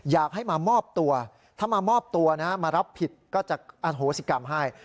อยากให้มามอบตัวถ้ามามอบตัวนะมารับผิดก็จะอโหสิกรรมให้